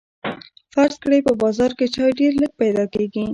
فرض کړئ په بازار کې چای ډیر لږ پیدا کیږي.